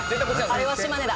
あれは島根だ。